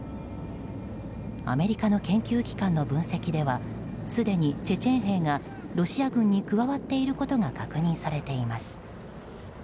アメリカの研究機関の分析ではすでにチェチェン兵がロシア軍に加わっていることが確認されています。